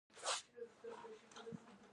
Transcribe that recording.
د "د" حرف لسم حرف دی.